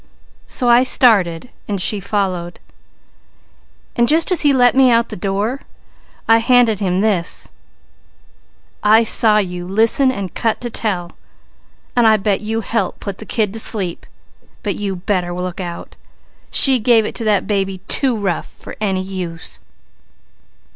So I started and she followed, and just as he let me out the door I handed him this: 'I saw you listen and cut to tell, and I bet you helped put the kid to sleep! But you better look out! She gave it to that baby too rough for any use!'